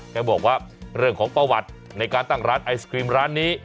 ก็บอกว่าเรื่องของประวัติในการตั้งร้านไอศครีมร้านนี้